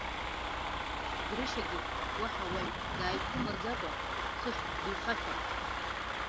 Грышьагьы уаҳа уаҩ дааиԥымлаӡакәа хыхь дыҩхашәалт.